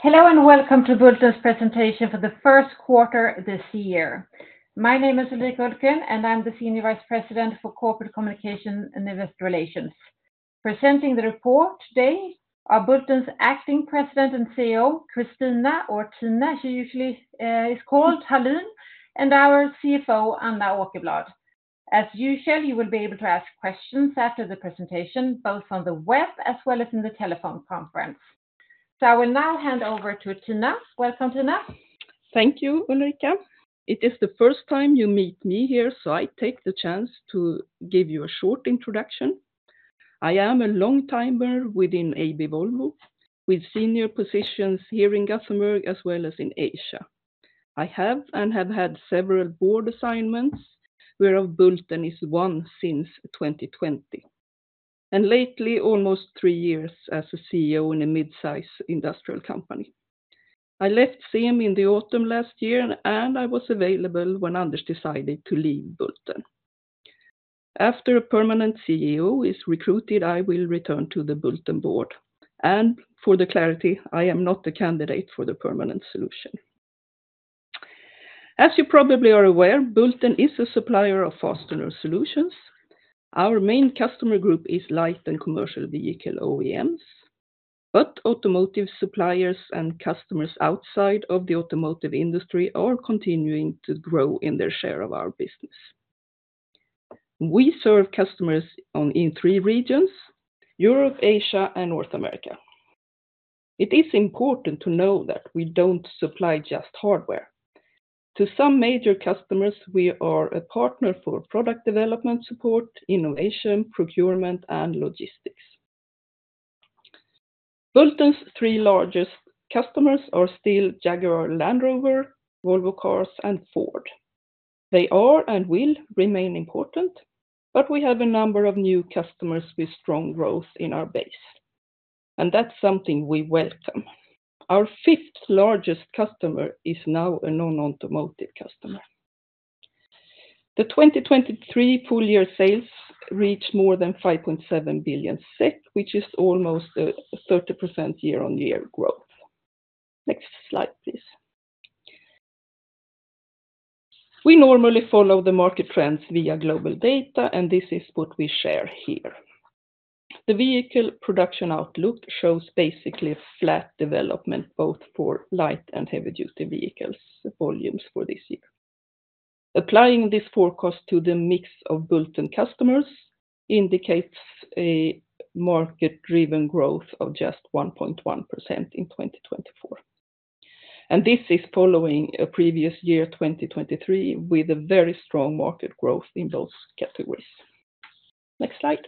Hello, and welcome to Bulten's Presentation for the First Quarter this Year. My name is Ulrika Hultgren, and I'm the Senior Vice President for Corporate Communication and Investor Relations. Presenting the report today are Bulten's Acting President and CEO, Christina, or Tina, she usually, is called, Hallin, and our CFO, Anna Åkerblad. As usual, you will be able to ask questions after the presentation, both on the web as well as in the telephone conference. So I will now hand over to Tina. Welcome, Tina. Thank you, Ulrika. It is the first time you meet me here, so I take the chance to give you a short introduction. I am a long timer within AB Volvo, with senior positions here in Gothenburg as well as in Asia. I have and have had several board assignments, whereof Bulten is one since 2020, and lately, almost three years as a CEO in a mid-size industrial company. I left SEM in the autumn last year, and I was available when Anders decided to leave Bulten. After a permanent CEO is recruited, I will return to the Bulten board, and for the clarity, I am not the candidate for the permanent solution. As you probably are aware, Bulten is a supplier of fastener solutions. Our main customer group is light and commercial vehicle OEMs, but automotive suppliers and customers outside of the automotive industry are continuing to grow in their share of our business. We serve customers in three regions: Europe, Asia, and North America. It is important to know that we don't supply just hardware. To some major customers, we are a partner for product development support, innovation, procurement, and logistics. Bulten's three largest customers are still Jaguar Land Rover, Volvo Cars, and Ford. They are and will remain important, but we have a number of new customers with strong growth in our base, and that's something we welcome. Our fifth largest customer is now a non-automotive customer. The 2023 full year sales reached more than 5.7 billion, which is almost a 30% year-on-year growth. Next slide, please. We normally follow the market trends via GlobalData, and this is what we share here. The vehicle production outlook shows basically a flat development, both for light and heavy duty vehicles volumes for this year. Applying this forecast to the mix of Bulten customers indicates a market-driven growth of just 1.1% in 2024. This is following a previous year, 2023, with a very strong market growth in those categories. Next slide.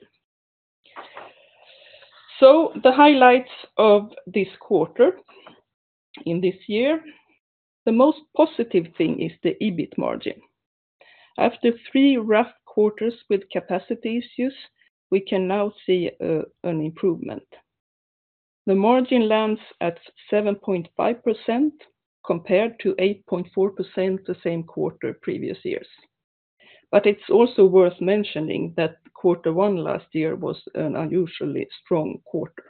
So the highlights of this quarter in this year, the most positive thing is the EBIT margin. After three rough quarters with capacity issues, we can now see an improvement. The margin lands at 7.5%, compared to 8.4% the same quarter previous years. But it's also worth mentioning that quarter one last year was an unusually strong quarter.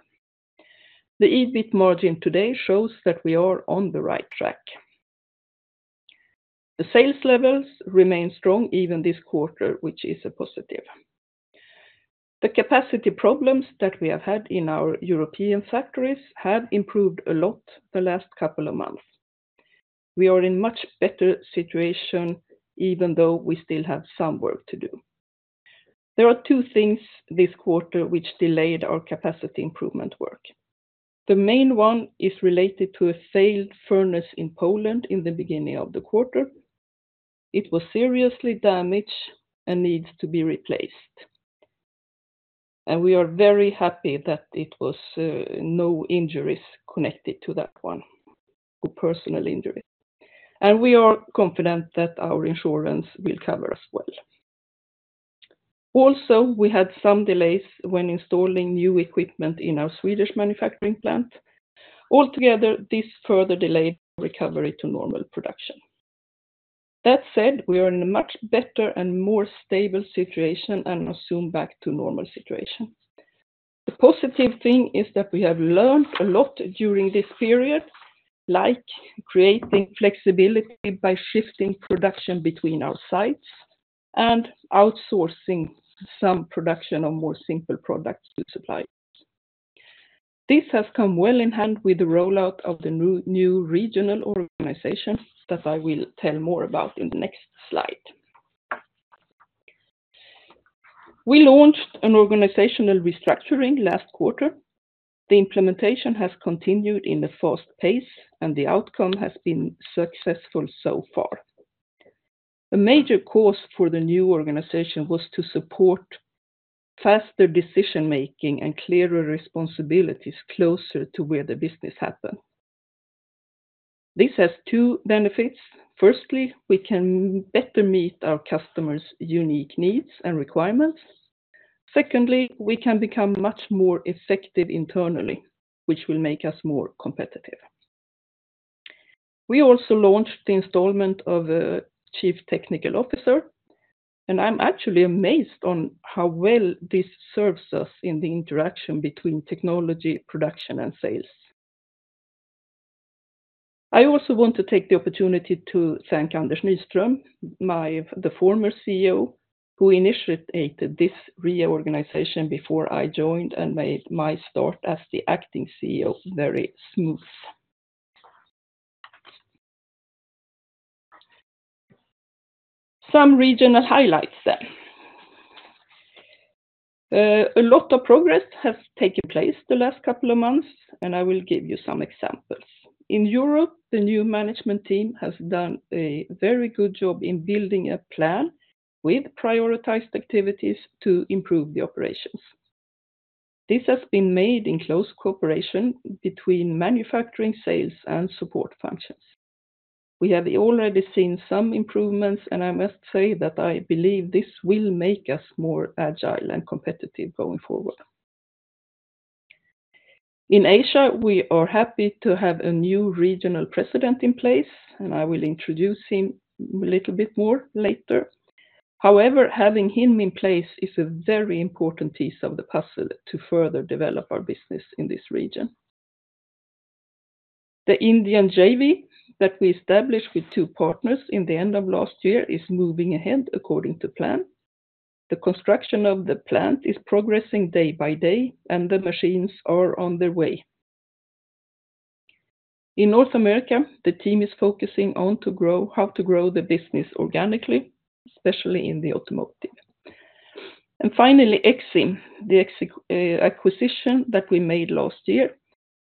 The EBIT margin today shows that we are on the right track. The sales levels remain strong even this quarter, which is a positive. The capacity problems that we have had in our European factories have improved a lot the last couple of months. We are in much better situation, even though we still have some work to do. There are two things this quarter which delayed our capacity improvement work. The main one is related to a failed furnace in Poland in the beginning of the quarter. It was seriously damaged and needs to be replaced. We are very happy that it was no injuries connected to that one, or personal injury. We are confident that our insurance will cover us well. Also, we had some delays when installing new equipment in our Swedish manufacturing plant. Altogether, this further delayed recovery to normal production. That said, we are in a much better and more stable situation, and are soon back to normal situation. The positive thing is that we have learned a lot during this period, like creating flexibility by shifting production between our sites and outsourcing some production of more simple products to suppliers. This has come well in hand with the rollout of the new, new regional organization that I will tell more about in the next slide. We launched an organizational restructuring last quarter. The implementation has continued in a fast pace, and the outcome has been successful so far. A major cause for the new organization was to support faster decision-making and clearer responsibilities closer to where the business happen. This has two benefits. Firstly, we can better meet our customers' unique needs and requirements. Secondly, we can become much more effective internally, which will make us more competitive.... We also launched the appointment of the Chief Technical Officer, and I'm actually amazed on how well this serves us in the interaction between technology, production, and sales. I also want to take the opportunity to thank Anders Nyström, my—the former CEO, who initiated this reorganization before I joined, and made my start as the acting CEO very smooth. Some regional highlights then. A lot of progress has taken place the last couple of months, and I will give you some examples. In Europe, the new management team has done a very good job in building a plan with prioritized activities to improve the operations. This has been made in close cooperation between manufacturing, sales, and support functions. We have already seen some improvements, and I must say that I believe this will make us more agile and competitive going forward. In Asia, we are happy to have a new regional president in place, and I will introduce him a little bit more later. However, having him in place is a very important piece of the puzzle to further develop our business in this region. The Indian JV that we established with two partners in the end of last year is moving ahead according to plan. The construction of the plant is progressing day by day, and the machines are on their way. In North America, the team is focusing on how to grow the business organically, especially in the automotive. And finally, Exim, the acquisition that we made last year,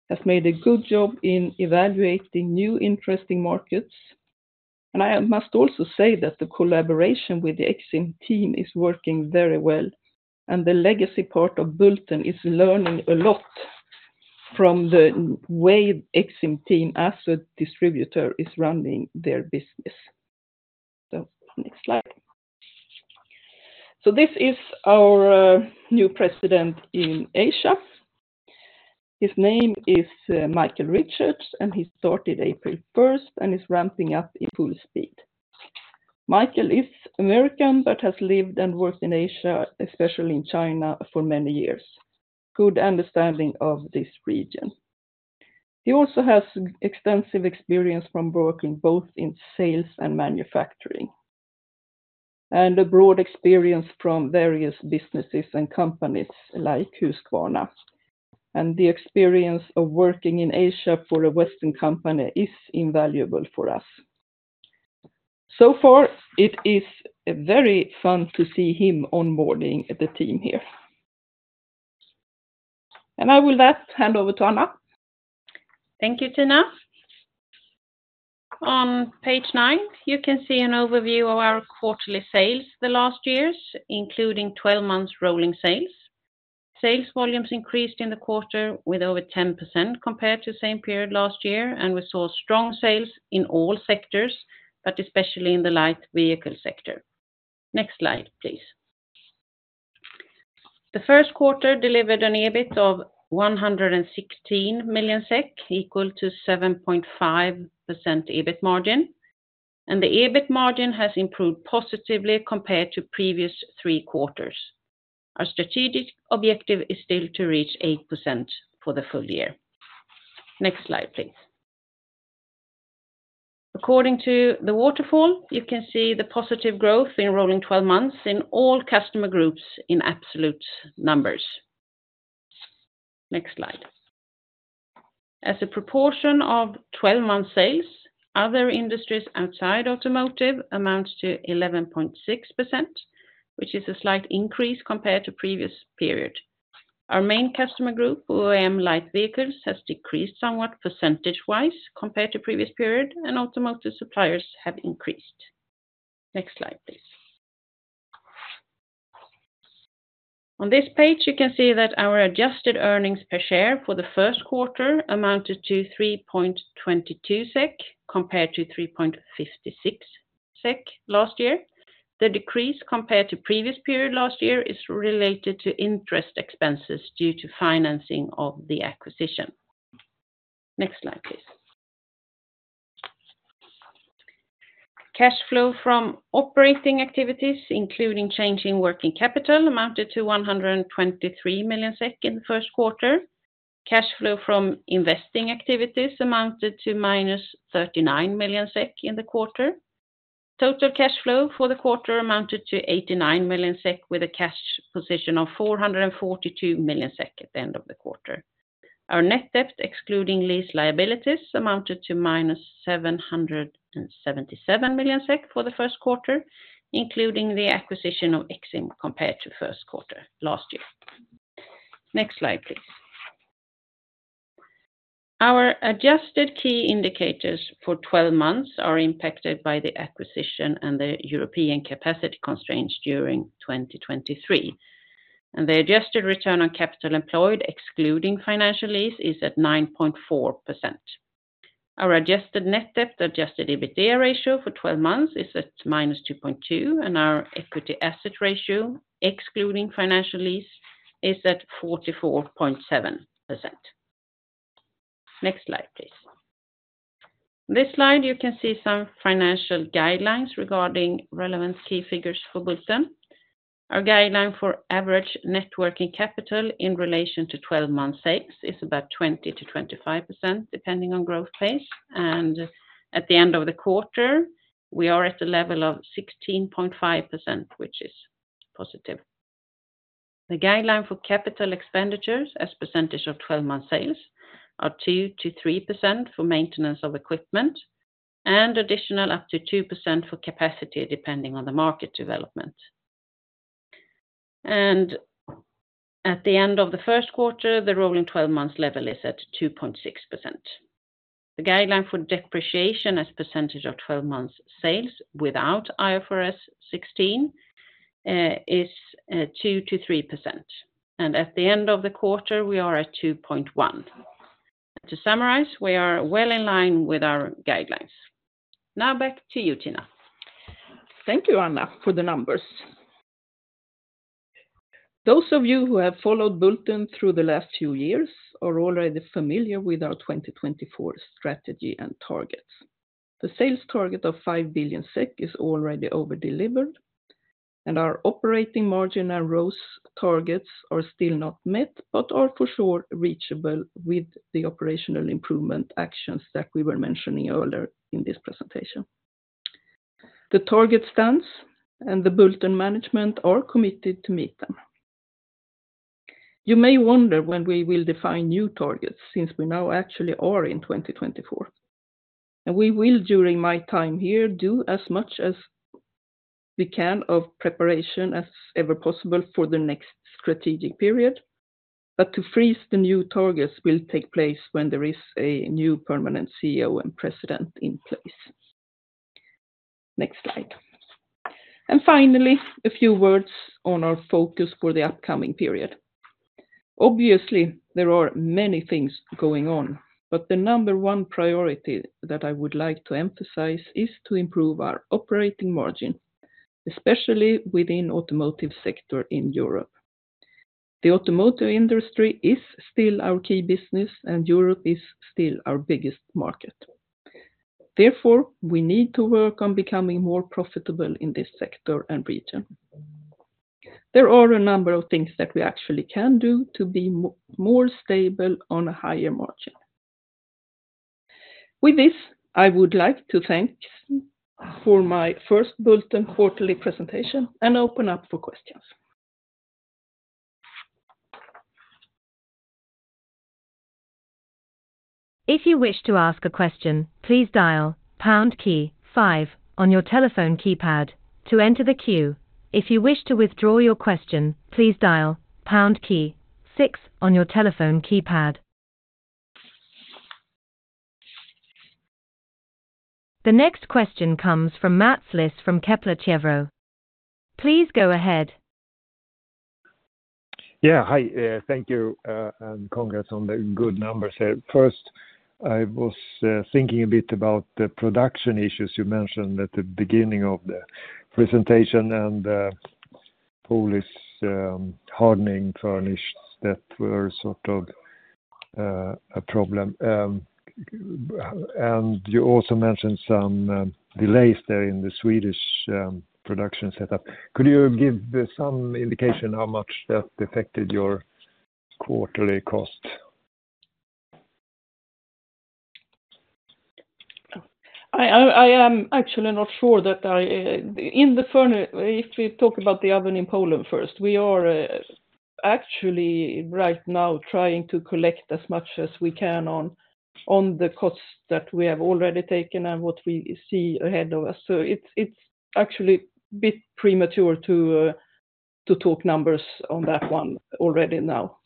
has made a good job in evaluating new interesting markets. I must also say that the collaboration with the Exim team is working very well, and the legacy part of Bulten is learning a lot from the way Exim team, as a distributor, is running their business. Next slide. This is our new president in Asia. His name is Michael Richards, and he started April first and is ramping up in full speed. Michael is American, but has lived and worked in Asia, especially in China, for many years. Good understanding of this region. He also has extensive experience from working both in sales and manufacturing, and a broad experience from various businesses and companies like Husqvarna. And the experience of working in Asia for a Western company is invaluable for us. So far, it is very fun to see him onboarding the team here. And I will then hand over to Anna. Thank you, Tina. On page nine, you can see an overview of our quarterly sales the last years, including 12 months rolling sales. Sales volumes increased in the quarter with over 10% compared to the same period last year, and we saw strong sales in all sectors, but especially in the light vehicle sector. Next slide, please. The first quarter delivered an EBIT of 116 million SEK, equal to 7.5% EBIT margin, and the EBIT margin has improved positively compared to previous three quarters. Our strategic objective is still to reach 8% for the full year. Next slide, please. According to the waterfall, you can see the positive growth in rolling 12 months in all customer groups in absolute numbers. Next slide. As a proportion of 12-month sales, other industries outside automotive amounts to 11.6%, which is a slight increase compared to previous period. Our main customer group, OEM Light Vehicles, has decreased somewhat percentage-wise compared to previous period, and automotive suppliers have increased. Next slide, please. On this page, you can see that our adjusted earnings per share for the first quarter amounted to 3.22 SEK, compared to 3.56 SEK last year. The decrease compared to previous period last year is related to interest expenses due to financing of the acquisition. Next slide, please. Cash flow from operating activities, including change in working capital, amounted to 123 million SEK in the first quarter. Cash flow from investing activities amounted to -39 million SEK in the quarter. Total cash flow for the quarter amounted to 89 million SEK, with a cash position of 442 million SEK at the end of the quarter. Our net debt, excluding lease liabilities, amounted to -777 million SEK for the first quarter, including the acquisition of Exim compared to first quarter last year. Next slide, please. Our adjusted key indicators for twelve months are impacted by the acquisition and the European capacity constraints during 2023, and the adjusted return on capital employed, excluding financial lease, is at 9.4%. Our adjusted net debt adjusted EBITDA ratio for twelve months is at -2.2, and our equity asset ratio, excluding financial lease, is at 44.7%. Next slide, please. This slide, you can see some financial guidelines regarding relevant key figures for Bulten. Our guideline for average net working capital in relation to 12 months sales is about 20%-25%, depending on growth pace. At the end of the quarter, we are at the level of 16.5%, which is positive. The guideline for capital expenditures as percentage of 12 month sales are 2%-3% for maintenance of equipment, and additional up to 2% for capacity, depending on the market development. At the end of the first quarter, the rolling 12 months level is at 2.6%. The guideline for depreciation as a percentage of 12 months sales without IFRS 16 is 2%-3%, and at the end of the quarter, we are at 2.1%. To summarize, we are well in line with our guidelines. Now, back to you, Tina. Thank you, Anna, for the numbers. Those of you who have followed Bulten through the last few years are already familiar with our 2024 strategy and targets. The sales target of 5 billion SEK is already over-delivered, and our operating margin and ROCE targets are still not met, but are for sure reachable with the operational improvement actions that we were mentioning earlier in this presentation. The target stands, and the Bulten management are committed to meet them. You may wonder when we will define new targets, since we now actually are in 2024. And we will, during my time here, do as much as we can of preparation as ever possible for the next strategic period, but to freeze the new targets will take place when there is a new permanent CEO and president in place. Next slide. And finally, a few words on our focus for the upcoming period. Obviously, there are many things going on, but the number one priority that I would like to emphasize is to improve our operating margin, especially within automotive sector in Europe. The automotive industry is still our key business, and Europe is still our biggest market. Therefore, we need to work on becoming more profitable in this sector and region. There are a number of things that we actually can do to be more stable on a higher margin. With this, I would like to thank for my first Bulten quarterly presentation and open up for questions. If you wish to ask a question, please dial pound key five on your telephone keypad to enter the queue. If you wish to withdraw your question, please dial pound key six on your telephone keypad. The next question comes from Mats Liss from Kepler Cheuvreux. Please go ahead. Yeah, hi, thank you, and congrats on the good numbers here. First, I was thinking a bit about the production issues you mentioned at the beginning of the presentation and Polish hardening furnace that were sort of a problem. And you also mentioned some delays there in the Swedish production setup. Could you give some indication how much that affected your quarterly cost? I am actually not sure that I in the furnace. If we talk about the oven in Poland first, we are actually right now trying to collect as much as we can on the costs that we have already taken and what we see ahead of us. So it's actually a bit premature to talk numbers on that one already now.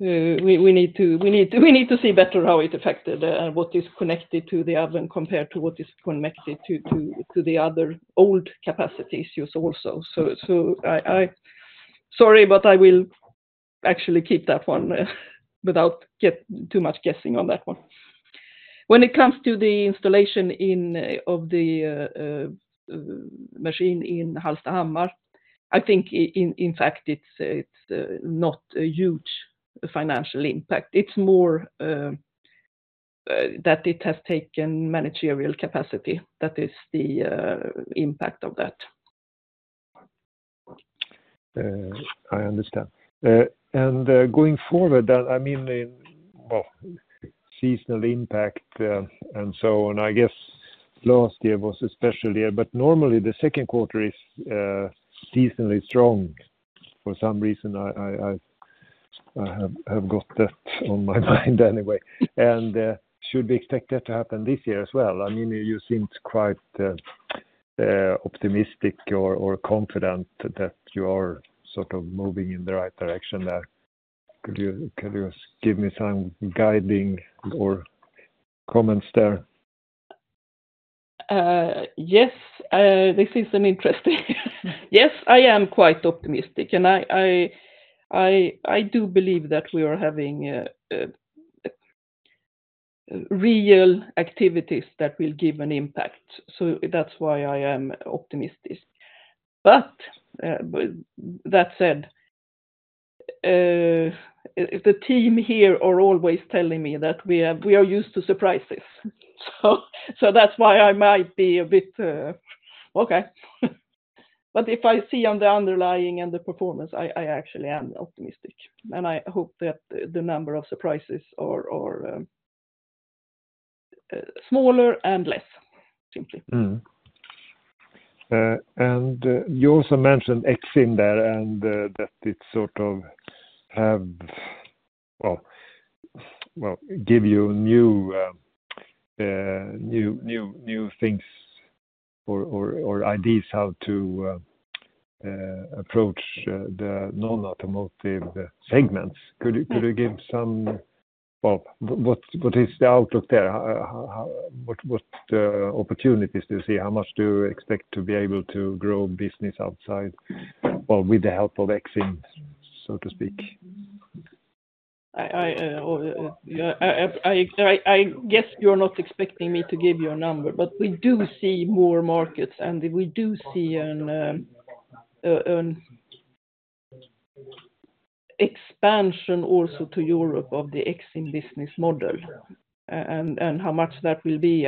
We need to see better how it affected what is connected to the oven compared to what is connected to the other old capacity issues also. So I—Sorry, but I will actually keep that one without getting too much guessing on that one. When it comes to the installation of the machine in Hallstahammar, I think in fact it's not a huge financial impact. It's more that it has taken managerial capacity. That is the impact of that. I understand. And going forward, I mean, well, seasonal impact and so on. I guess last year was a special year, but normally the second quarter is decently strong. For some reason, I have got that on my mind, anyway. And should we expect that to happen this year as well? I mean, you seem quite optimistic or confident that you are sort of moving in the right direction there. Could you give me some guiding or comments there? Yes, I am quite optimistic, and I do believe that we are having real activities that will give an impact, so that's why I am optimistic. But that said, the team here are always telling me that we are used to surprises. So that's why I might be a bit okay. But if I see on the underlying and the performance, I actually am optimistic, and I hope that the number of surprises are smaller and less, simply. And you also mentioned Exim there, and that it sort of have, well, give you new things or ideas how to approach the non-automotive segments. Could you- Yes. Well, what is the outlook there? How, what opportunities do you see? How much do you expect to be able to grow business outside, well, with the help of Exim, so to speak? Yeah, I guess you're not expecting me to give you a number, but we do see more markets, and we do see an expansion also to Europe of the Exim business model. And how much that will be,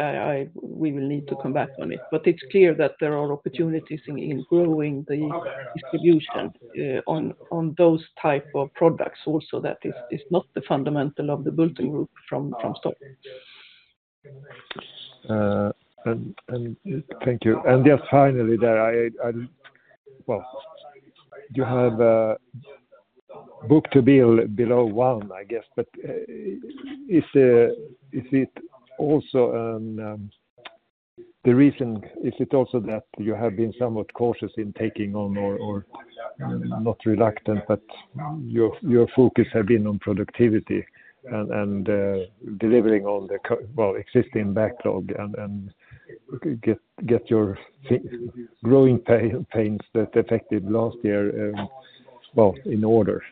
we will need to come back on it. But it's clear that there are opportunities in growing the distribution on those type of products. Also, that is not the fundamental of the Bulten group from stock. Thank you. And just finally there. Well, you have book-to-bill below one, I guess, but is it also the reason? Is it also that you have been somewhat cautious in taking on or not reluctant, but your focus have been on productivity and delivering on the existing backlog and get your growing pains that affected last year well in order?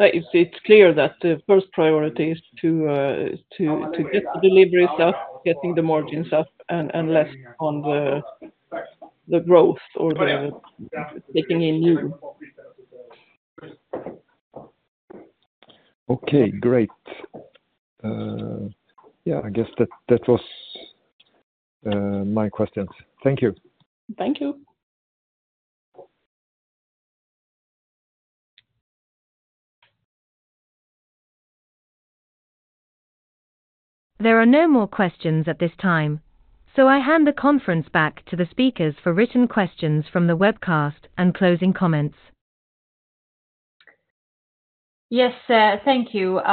It's clear that the first priority is to get the deliveries up, getting the margins up, and less on the growth or the taking in new. Okay, great. Yeah, I guess that was my questions. Thank you. Thank you. There are no more questions at this time, so I hand the conference back to the speakers for written questions from the webcast and closing comments. Yes, thank you.